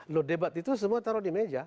loh debat itu semua taruh di meja